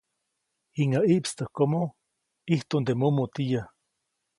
Jiŋäʼ ʼiʼpstäjkomo, ʼijtuʼnde mumutiyä.